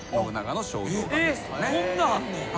こんなあんねや。